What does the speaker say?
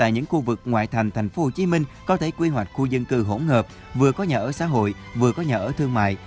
những khu vực ngoại thành tp hcm có thể quy hoạch khu dân cư hỗn hợp vừa có nhà ở xã hội vừa có nhà ở thương mại